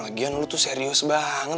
pagian lu tuh serius banget